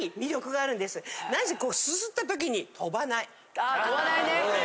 あ飛ばないね。